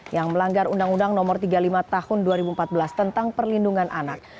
yang melanggar undang undang no tiga puluh lima tahun dua ribu empat belas tentang perlindungan anak